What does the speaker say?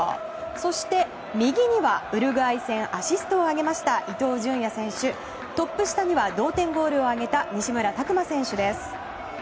そして右にはウルグアイ戦アシストを挙げました伊東純也選手トップ下には同点ゴールを挙げた西村拓真選手です。